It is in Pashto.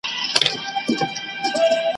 شاوخوا ټوله خالي ده بل ګلاب نه معلومیږي ,